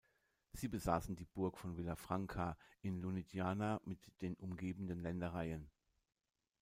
Sie besaßen die Burg von Villafranca in Lunigiana mit den umgebenden Ländereien.